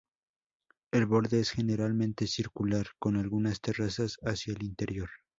El borde es generalmente circular, con algunas terrazas hacia el interior.